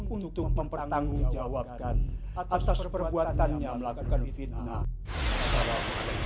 untuk mempertanggungjawabkan atas perbuatannya melakukan fitnah